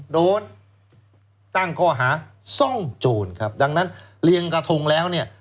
โดนตั้งข้อหาซ่องโจรครับดังนั้นเรียงกระทงแล้วเนี่ย